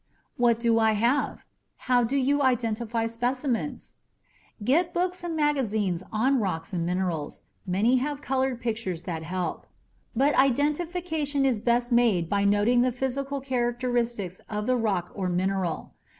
What Do I Have? How do you identify specimens? Get books and magazines on rocks and minerals. Many have colored pictures that help. But identification is best made by noting the physical characteristics of the rock or mineral.